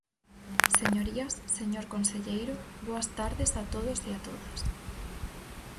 Señorías, señor conselleiro, boas tardes a todos e a todas.